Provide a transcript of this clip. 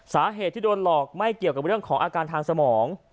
สาเหตุที่โดนหลอกไม่เกี่ยวกับเรื่องของอาการทางสมอง